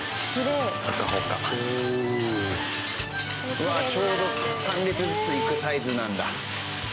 うわっちょうど３列ずついくサイズなんだ。